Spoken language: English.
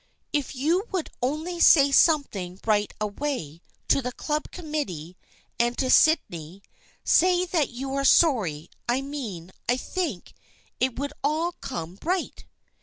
" If you would only say something right away THE FRIENDSHIP OF ANNE 271 to the Club committee and to Sydney, say that you are sorry, I mean, I think it would all come right."